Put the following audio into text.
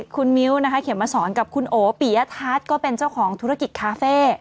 คุณมิ้วนะคะเขียนมาสอนกับคุณโอปิยทัศน์ก็เป็นเจ้าของธุรกิจคาเฟ่